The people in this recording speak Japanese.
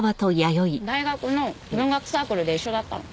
大学の文学サークルで一緒だったの。